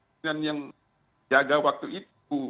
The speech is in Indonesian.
dan yang jaga waktu itu